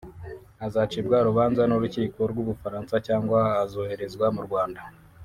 azacibwa urubanza n’urukiko rw’u Bufaransa cyangwa azoherezwa mu Rwanda